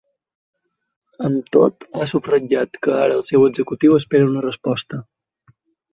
Amb tot, ha subratllat que ara el seu executiu espera una resposta.